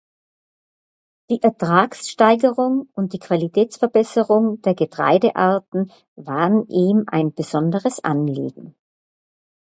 Die Ertragssteigerung und die Qualitätsverbesserung der Getreidearten waren ihm ein besonderes Anliegen.